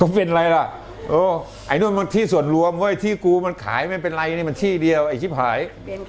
เป็นอะไรล่ะเออไอ้นู่นมันที่ส่วนรวมเว้ยที่กูมันขายไม่เป็นไรนี่มันที่เดียวไอ้ชิบหาย